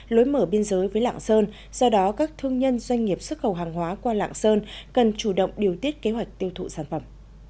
lối mở biên giới với lạng sơn do đó các thương nhân doanh nghiệp xuất khẩu hàng hóa qua lạng sơn cần chủ động điều tiết kế hoạch tiêu thụ sản phẩm